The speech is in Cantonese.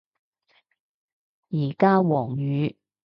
而家黃雨